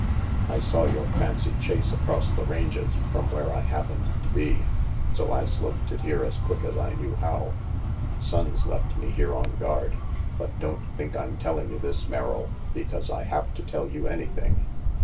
I saw your fancy chase across the ranges from where I happened to be, so I sloped it here as quick as I knew how. Sonnes left me here on guard; but don't think I'm telling you this, Merrill, because I have to tell you anything.